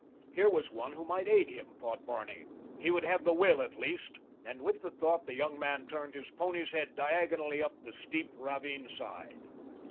Here was one who might aid him, thought Barney. He would have the will, at least, and with the thought the young man turned his pony's head diagonally up the steep ravine side.